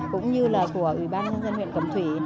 cũng như là của ủy ban nhân dân huyện cẩm thủy